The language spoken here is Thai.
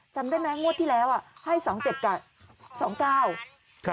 จำได้ไหมงวดที่แล้วอ่ะให้สองเจ็ดกับสองเก้า